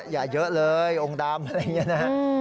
อย่าเยอะเลยองค์ดำอะไรอย่างนี้นะฮะ